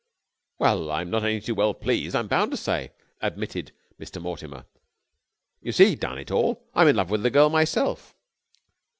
"Well, I'm not any too well pleased, I'm bound to say," admitted Mr. Mortimer. "You see, darn it all, I'm in love with the girl myself!"